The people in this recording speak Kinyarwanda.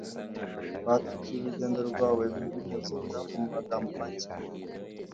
Watubwira urugendo rwawe muri muzika mu magambo make